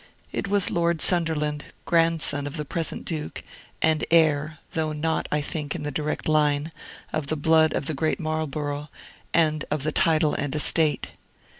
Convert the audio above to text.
It was Lord Sunderland, grandson of the present Duke, and heir though not, I think, in the direct line of the blood of the great Marlborough, and of the title and estate.